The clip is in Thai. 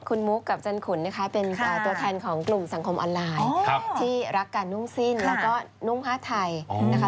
คุณมุกกับจันขุนนะคะเป็นตัวแทนของกลุ่มสังคมออนไลน์ที่รักการนุ่งสิ้นแล้วก็นุ่งผ้าไทยนะคะ